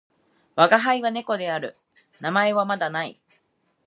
わがはいは猫である。名前はまだ無い。